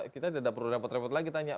kita tidak perlu repot repot lagi tanya